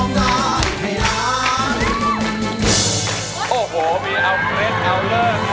โหวมีแล้วแสดง